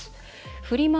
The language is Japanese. フリマ